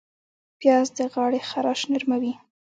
پیاز د غاړې خراش نرموي